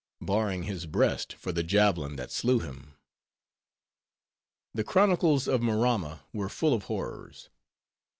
baring his breast for the javelin that slew him. The chronicles of Maramma were full of horrors.